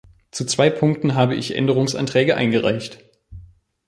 Zu zwei Punkten habe ich Änderungsanträge eingereicht.